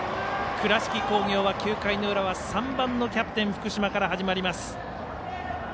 倉敷工業は９回の裏は３番のキャプテン、福島から始まります。